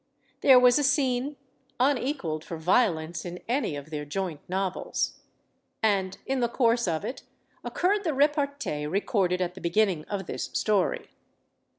There was a scene, unequaled for violence in any of their joint novels. And in the course of it occurred the repartee recorded at the beginning of this story.